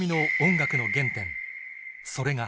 それが